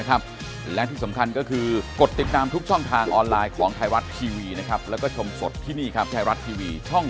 ข้ามมันคืนมันก็ไปแล้ว